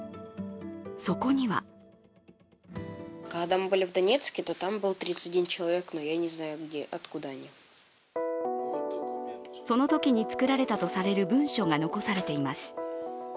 そこにはそのときに作られたとされる文書が残されています。